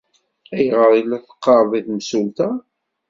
Ayɣer ay la teɣɣareḍ i yemsulta?